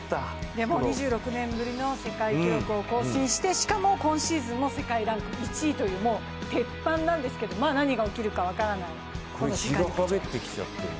でも２６年ぶりの世界記録を更新してしかも今シーズンも世界ランク１位という鉄板なんですけど何が起きるか分からないという。